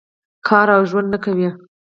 کار او ژوند نه کوي.